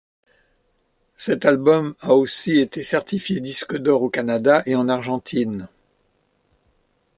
Cet album a aussi été certifié Disque d'or au Canada et en Argentine.